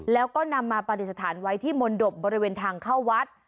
แล้วก็นำมาปฏิสถานไว้ที่มนตบบริเวณทางเข้าวัด